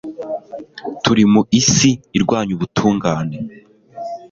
Turi mu isi irwanya ubutungane